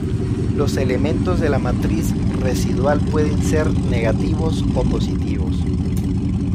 Los elementos de la matriz residual pueden ser negativos o positivos.